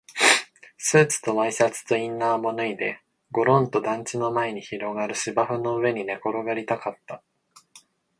スーツとワイシャツとインナーも脱いで、ごろんと団地の前に広がる芝生の上に寝転がりたかった